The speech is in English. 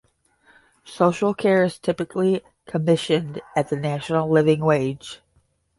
Social care is typically commissioned at the National Living Wage.